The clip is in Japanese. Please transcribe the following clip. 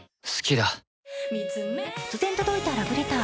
突然、届いたラブレター。